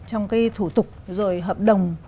trong cái thủ tục rồi hợp đồng